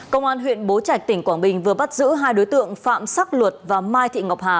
công an huyện bố trạch tỉnh quảng bình vừa bắt giữ hai đối tượng phạm sắc luật và mai thị ngọc hà